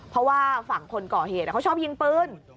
เพราะว่าฝั่งคนก่อเหตุเขาชอบยิงปืน